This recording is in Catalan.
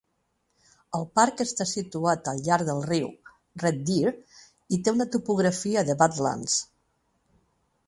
El parc està situat al llarg del riu Red Deer i té una topografia de badlands.